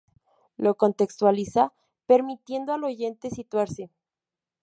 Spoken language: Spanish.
Lo contextualiza, permitiendo al oyente situarse.